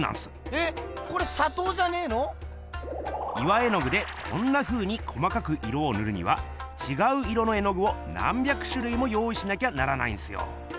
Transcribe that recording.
えっこれさとうじゃねえの⁉岩絵具でこんなふうに細かく色をぬるにはちがう色の絵のぐを何百しゅるいも用いしなきゃならないんすよ。